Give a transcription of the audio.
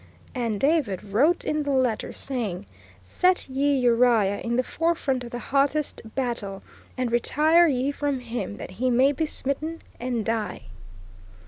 And David "wrote in the letter, saying, Set ye Uriah in the forefront of the hottest battle, and retire ye from him, that he may be smitten and die....